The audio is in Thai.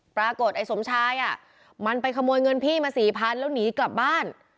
ปรากฏไอ้สมชายมันไปขโมยเงินพี่มาสี่พันแล้วหนีกลับบ้าน